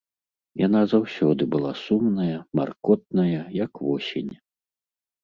Яна заўсёды была сумная, маркотная, як восень.